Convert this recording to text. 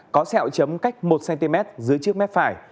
có sẹo chấm cách một cm dưới trước mép phải